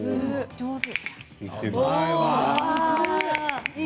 上手。